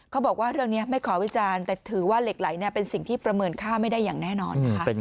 เขาบอกว่าเรื่องนี้ไม่ขอวิจารณ์แต่ถือว่าเหล็กไหลเป็นสิ่งที่ประเมินค่าไม่ได้อย่างแน่นอนนะคะ